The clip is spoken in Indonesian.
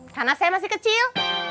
karena saya masih kecil